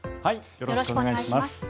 よろしくお願いします。